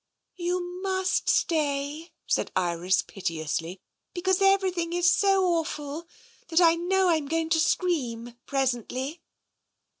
" You must stay," said Iris piteously, " because everything is so awful that I know Tm going to scream presently."